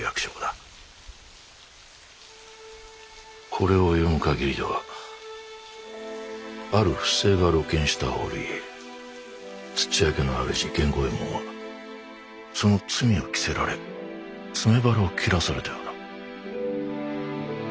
これを読むかぎりではある不正が露見した折土屋家の主源五右衛門はその罪を着せられ詰め腹を切らされたようだ。